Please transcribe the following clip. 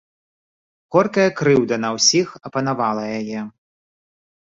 Горкая крыўда на ўсіх апанавала яе.